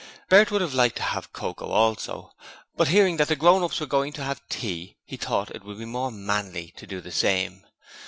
Bert would have liked to have cocoa also, but hearing that the grown ups were going to have tea, he thought it would be more manly to do the same.